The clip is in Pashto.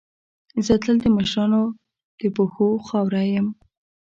زه تل د مشرانو د پښو خاوره یم.